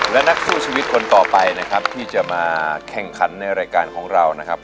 และนักสู้ชีวิตคนต่อไปนะครับที่จะมาแข่งขันในรายการของเรานะครับ